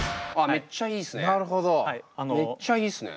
めっちゃいいっすね。